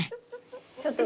ちょっと。